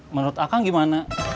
menurut akang gimana